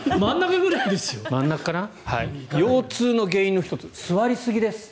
腰痛の原因の１つ座りすぎです。